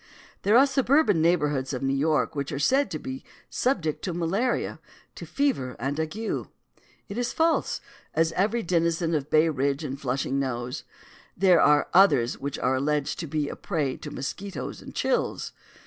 There are suburban neighborhoods of New York which are said to be subject to malaria, to fever and ague. It is false, as every denizen of Bay Ridge and Flushing knows. There are others which are alleged to be a prey to mosquitoes and chills.